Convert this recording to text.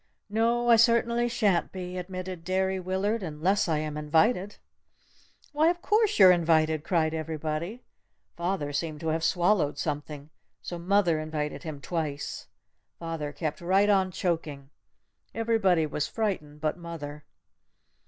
"No, I certainly sha'n't be," admitted Derry Willard, "unless I am invited!" "Why, of course, you're invited!" cried everybody. Father seemed to have swallowed something. So mother invited him twice. Father kept right on choking. Everybody was frightened but mother.